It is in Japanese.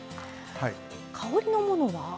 香りのものは。